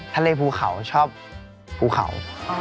ทะเลภูเขาชอบภูเขา